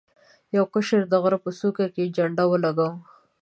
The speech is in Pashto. یو کشر د غره په څوکه جنډه ولګوله.